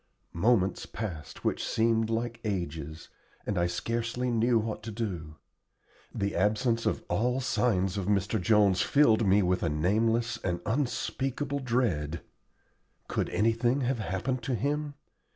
Moments passed which seemed like ages, and I scarcely knew what to do. The absence of all signs of Mr. Jones filled me with a nameless and unspeakable dread. Could anything have happened to him?